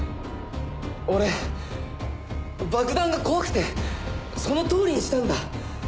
俺爆弾が怖くてそのとおりにしたんだ。